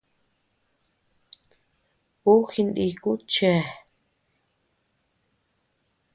Uu jiniku chéa.